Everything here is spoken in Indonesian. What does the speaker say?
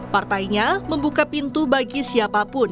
partainya membuka pintu bagi siapapun